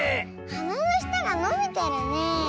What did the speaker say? はなのしたがのびてるねえ。